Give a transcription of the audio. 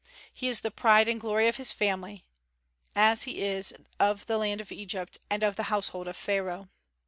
He is the pride and glory of his family, as he is of the land of Egypt, and of the household of Pharaoh.